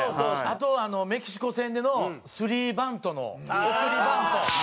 あとメキシコ戦でのスリーバントの送りバント。